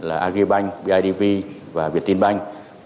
agribank bidv và việt tin banh